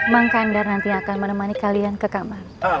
bang kandar nanti akan menemani kalian ke kamar